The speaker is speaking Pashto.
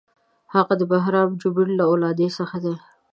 هغه د بهرام چوبین له اولادې څخه دی.